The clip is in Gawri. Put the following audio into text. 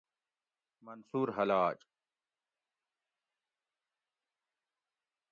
منصور حلاج